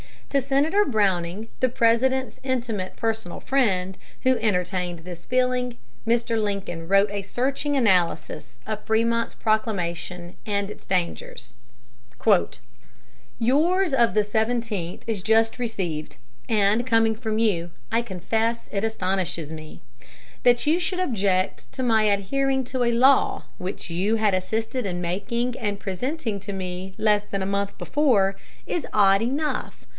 To Senator Browning, the President's intimate personal friend, who entertained this feeling, Mr. Lincoln wrote a searching analysis of Frémont's proclamation and its dangers: "Yours of the seventeenth is just received; and, coming from you, I confess it astonishes me. That you should object to my adhering to a law which you had assisted in making and presenting to me, less than a month before, is odd enough.